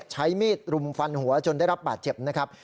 ใช้มีดรุมฟันหัวจนได้รับบาดเจ็บนะครับ